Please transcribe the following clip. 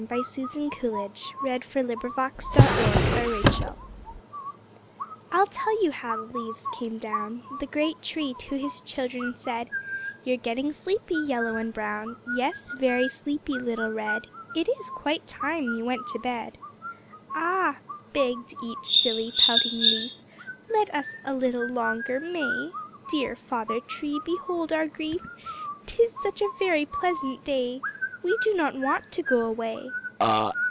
Josephine Preston Peabody. HOW THE LEAVES CAME DOWN "I'll tell you how the leaves came down," The great tree to his children said, "You're getting sleepy, Yellow and Brown, Yes, very sleepy, little Red. It is quite time to go to bed." "Ah!" begged each silly, pouting leaf, "Let us a little longer stay; Dear Father Tree, behold our grief; Tis such a very pleasant day We do not want to go away."